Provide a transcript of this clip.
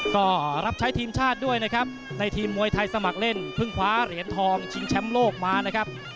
ก็รับใช้ทีมชาติด้วยนะครับในทีมมวยไทยสมัครเล่นเพิ่งคว้าเหรียญทองชิงแชมป์โลกมานะครับ